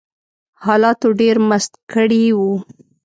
حالاتو ډېر مست کړي وو